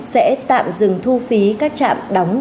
sẽ tạm dừng thu phí các trạm đóng